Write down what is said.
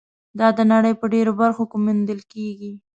دا د نړۍ په ډېرو برخو کې موندل کېږي.